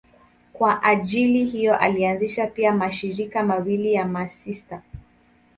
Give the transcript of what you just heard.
Kwa ajili hiyo alianzisha pia mashirika mawili ya masista.